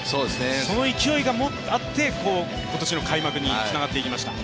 その勢いがあって今年の開幕につながっていきました。